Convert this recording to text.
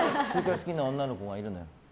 好きな女の子がいるのよ。